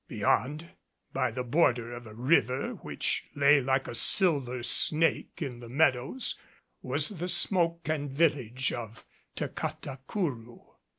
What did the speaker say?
Beyond, by the border of a river which lay like a silver snake in the meadows, was the smoke of the village of Tacatacourou.